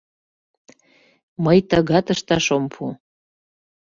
Мый тыгат ышташ ом пу.